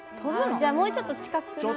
じゃあもうちょっと近くなれば。